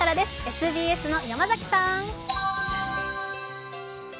ＳＢＳの山崎さん。